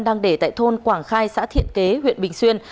đang để tại thôn quảng khai xã thiện kế huyện bình xuyên